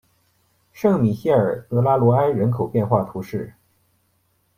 圣米歇尔德拉罗埃人口变化图示